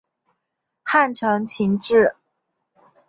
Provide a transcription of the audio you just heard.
汉承秦制。